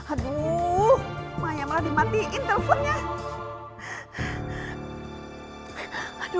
aduh lumayan malah dimatiin teleponnya